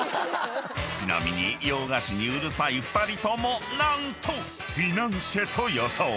［ちなみに洋菓子にうるさい２人とも何とフィナンシェと予想］